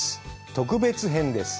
特別編です！